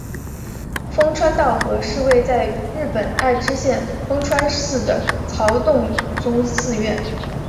丰川稻荷是位在日本爱知县丰川市的曹洞宗寺院。